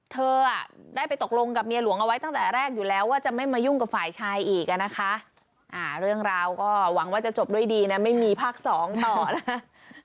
เธอได้ไปตกลงกับเมียหลวงเอาไว้ตั้งแต่แรกอยู่แล้วว่าจะไม่มายุ่งกับฝ่ายชายอีกอ่ะนะคะเรื่องราวก็หวังว่าจะจบด้วยดีนะไม่มีภาคสองต่อนะ